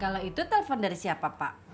kalau itu telpon dari siapa pak